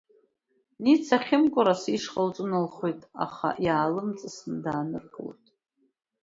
Ница Хьымкәараса ишҟа лҿыналхоит, аха иаалымҵасны дааныркылоит.